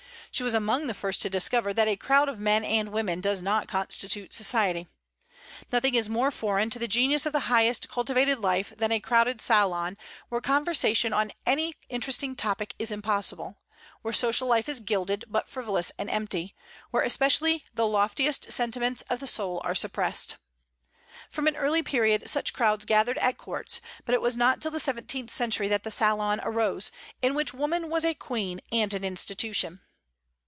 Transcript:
She was among the first to discover that a crowd of men and women does not constitute society. Nothing is more foreign to the genius of the highest cultivated life than a crowded salon, where conversation on any interesting topic is impossible; where social life is gilded, but frivolous and empty; where especially the loftiest sentiments of the soul are suppressed. From an early period such crowds gathered at courts; but it was not till the seventeenth century that the salon arose, in which woman was a queen and an institution.